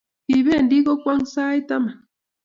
Kipendi kong'wong' sait taman